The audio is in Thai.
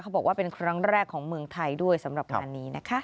บอกว่าเป็นครั้งแรกของเมืองไทยด้วยสำหรับงานนี้นะคะ